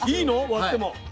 割っても。